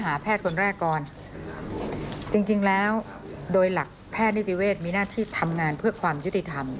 อย่างน้อยเขาก็จะได้ข้อมูลครบถ้วน